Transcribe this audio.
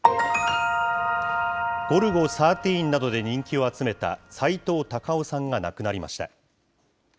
ゴルゴ１３などで人気を集めた、さいとう・たかをさんが亡くなりました。